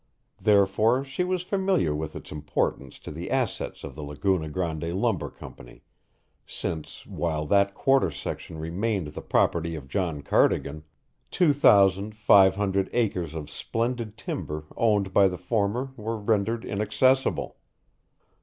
Therefore she was familiar with its importance to the assets of the Laguna Grande Lumber Company, since, while that quarter section remained the property of John Cardigan, two thousand five hundred acres of splendid timber owned by the former were rendered inaccessible.